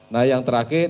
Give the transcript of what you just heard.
nah yang terakhir